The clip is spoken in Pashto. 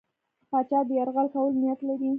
پاچا د یرغل کولو نیت لري.